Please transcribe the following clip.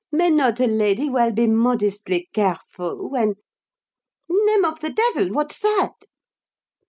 may not a lady well be modestly careful, when Name of the devil! what's that?"